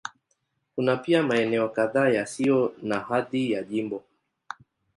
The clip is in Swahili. Kuna pia maeneo kadhaa yasiyo na hadhi ya jimbo.